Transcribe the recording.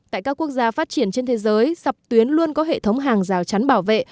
tại các quốc gia phát triển trên thế giới dọc tuyến luôn có hệ thống hàng rào chắn bảo vệ